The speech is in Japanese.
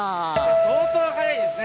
相当速いですね。